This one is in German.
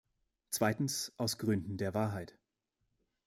Zweitens aus Gründen der Wahrheit.